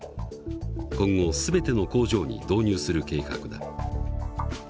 今後全ての工場に導入する計画だ。